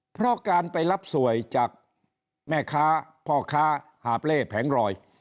เพราะการไปรับสวยจากแม่ค้าพ่อค้าหาบเล่แผงรอย